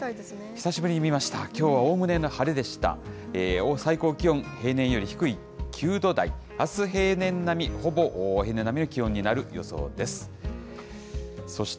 久しぶりに見ました、きょうはおおむね晴れでした。